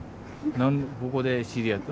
ここで知り合った。